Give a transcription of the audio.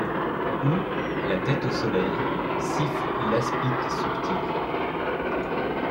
Où, la tête au soleil, siffle l’aspic subtil :